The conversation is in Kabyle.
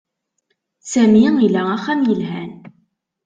Sami ila axxam yelhan.